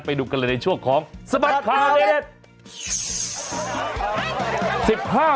ไปดูกันเลยในช่วงของสบัดข่าวเด็ด